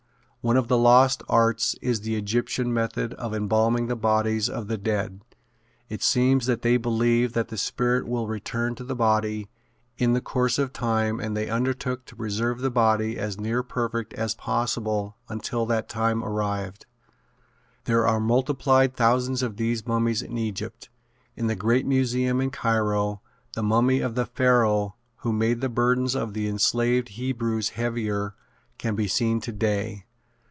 One of the lost arts is the Egyptian method of embalming the bodies of the dead. It seems that they believed that the spirit will return to the body in the course of time and they undertook to preserve the body as near perfect as possible until that time arrived. There are multiplied thousands of these mummies in Egypt. In the great museum in Cairo the mummy of the Pharoah who made the burdens of the enslaved Hebrews heavier can be seen today.